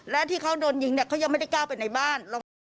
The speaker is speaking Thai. และที่เขาโดนยิงเขายังไม่ได้ก้าวไปในบ้าน